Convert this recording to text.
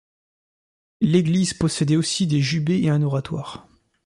L’église possédait aussi des jubés et un oratoire.